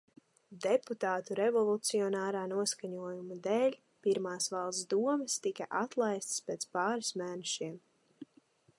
Deputātu revolucionārā noskaņojuma dēļ pirmās Valsts domes tika atlaistas pēc pāris mēnešiem.